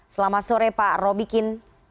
selamat sore pak robikin